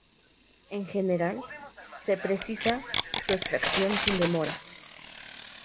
En general, se precisa su extracción sin demora.